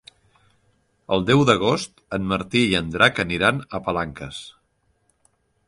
El deu d'agost en Martí i en Drac aniran a Palanques.